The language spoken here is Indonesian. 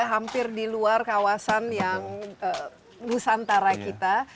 hampir di luar kawasan yang nusantara kita